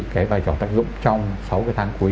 cái vai trò tác dụng trong sáu tháng cuối